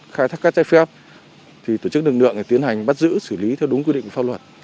khai thác cát trái phép thì tổ chức lực lượng tiến hành bắt giữ xử lý theo đúng quy định của pháp luật